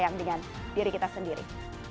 yang dengan diri kita sendiri